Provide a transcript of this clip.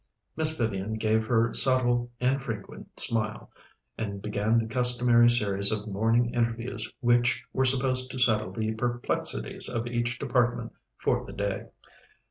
Miss Vivian gave her subtle, infrequent smile, and began the customary series of morning interviews which were supposed to settle the perplexities of each department for the day.